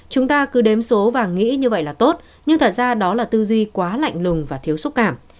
chúng ta cứ đếm số và nghĩ như vậy là tốt nhưng thật ra đó là tư duy quá lạnh lùng và thiếu xúc cảm